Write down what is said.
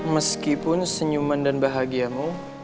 meskipun senyuman dan bahagiamu